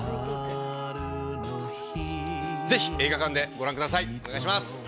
ぜひ、映画館でご覧ください。